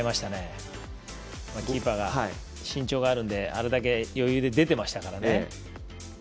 キーパー身長があるのであれだけ余裕で出てましたから。